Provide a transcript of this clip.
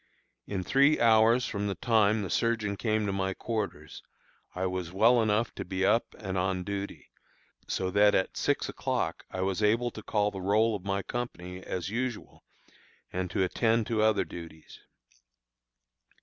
In three hours from the time the surgeon came to my quarters, I was well enough to be up and on duty, so that at six o'clock I was able to call the roll of my company as usual, and to attend to other duties.